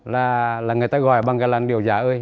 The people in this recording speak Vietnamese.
là người ta gọi bằng cái lan điều già ơi